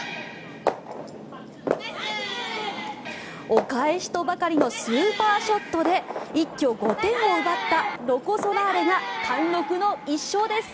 お返しとばかりのスーパーショットで一挙５点を奪ったロコ・ソラーレが貫録の１勝です。